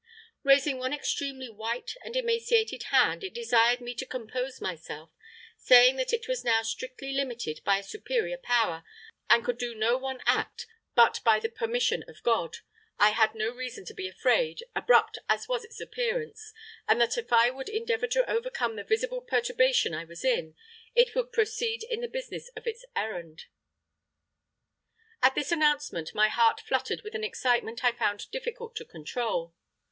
"Raising one extremely white and emaciated hand, it desired me to compose myself, saying that as it was now strictly limited by a Superior Power, and could do no one act but by the permission of God, I had no reason to be afraid, abrupt as was its appearance, and that if I would endeavour to overcome the visible perturbation I was in, it would proceed in the business of its errand. "At this announcement my heart fluttered with an excitement I found difficult to control.